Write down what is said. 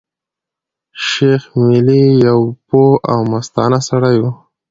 شېخ ملي يو پوه او مستانه سړی وو.